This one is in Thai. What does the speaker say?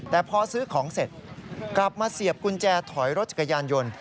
แต่พอซื้อของเสร็จกลับมาเสียบกุญแจถอยรถจักรยานยนต์